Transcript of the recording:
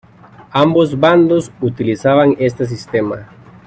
Ambos bandos utilizaban este sistema.